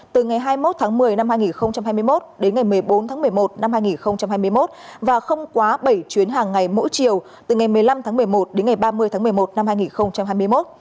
từ ngày hai mươi một tháng một mươi năm hai nghìn hai mươi một đến ngày một mươi bốn tháng một mươi một năm hai nghìn hai mươi một và không quá bảy chuyến hàng ngày mỗi chiều từ ngày một mươi năm tháng một mươi một đến ngày ba mươi tháng một mươi một năm hai nghìn hai mươi một